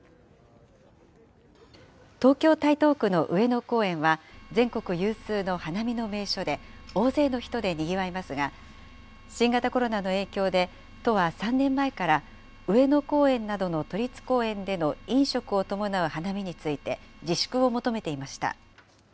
東京・台東区の上野公園は、全国有数の花見の名所で、大勢の人でにぎわいますが、新型コロナの影響で、都は３年前から上野公園などの都立公園での飲食を伴う花見について、自粛を求めていました。